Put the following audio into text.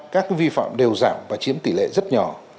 các vi phạm đều giảm và chiếm tỷ lệ rất nhỏ